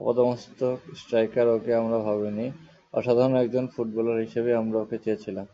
আপাদমস্তক striker okay আমরা ভাবিনি, অসাধারণ একজন ফুটবলার হিসেবেই আমরা ওকে চেয়েছিলাম।